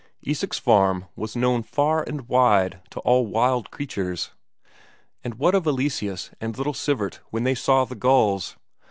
Isak's farm was known far and wide to all wild creatures. And what of Eleseus and little Sivert when they saw the gulls?